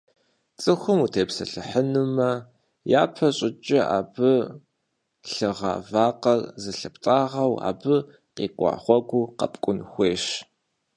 Цӏыхум утепсэлъыхьынумэ, япэ щӏыкӏэ абы лъыгъа вакъэр зылъыптӏагъэу, абы къикӏуа гъуэгур къэпкӏун хуейщ.